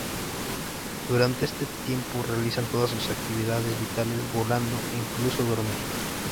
Durante ese tiempo realizan todas sus actividades vitales volando, incluso dormir.